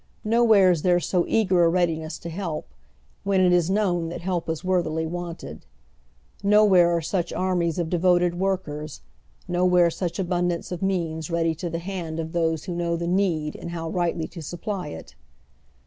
Nowhere is there so eager a readiness to help, when it is known that help is worthily wanted ; nowhere are such armies of devoted workers, nowhere such abun dance of means ready to the hand of those who know the need and how i ightly to supply it.